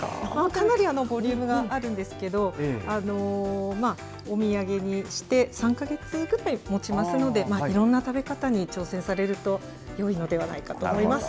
かなりボリュームがあるんですけど、お土産にして、３か月ぐらいもちますので、いろんな食べ方に挑戦されるとよいのではないかと思います。